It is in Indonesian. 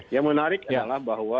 yang menarik adalah bahwa